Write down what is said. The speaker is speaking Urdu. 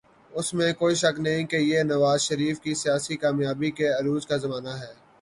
اس میں کوئی شک نہیں کہ یہ نواز شریف کی سیاسی کامیابی کے عروج کا زمانہ ہے۔